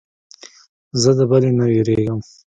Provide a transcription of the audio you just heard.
زه د بلې نه وېرېږم.